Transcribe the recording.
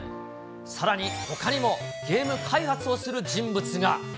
さらに、ほかにもゲーム開発をする人物が。